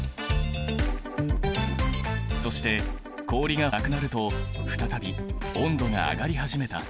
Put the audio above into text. そして氷がなくなると再び温度が上がり始めた。